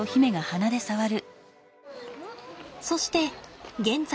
そして現在。